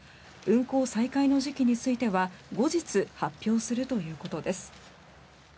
運行再開の時期については後日発表するということです。